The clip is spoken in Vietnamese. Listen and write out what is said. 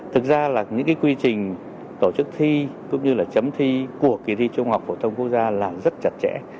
thực ra là những cái quy trình tổ chức thi cũng như là chấm thi của kỳ thi trung học phổ thông quốc gia là rất chặt chẽ